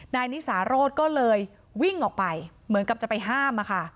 นายนิสาโรธก็เลยวิ่งออกไปเหมือนกับจะไปห้ามอะค่ะ